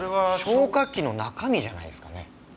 消火器の中身じゃないですかね？